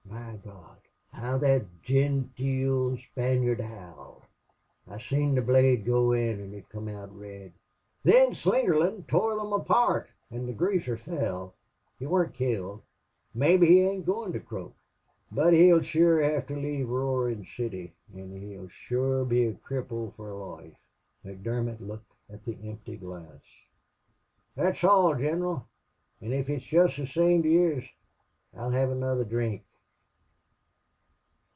My Gawd! how thot jenteel Spaniard howled! I seen the blade go in an' come out red. Thin Slingerland tore thim apart, an' the greaser fell. He warn't killed. Mebbe he ain't goin' to croak. But he'll shure hev to l'ave Roarin' City, an he'll shure be a cripple fer loife." McDermott looked at the empty glass. "That's all, Gineral. An' if it's jist the same to yez I'll hev another drink."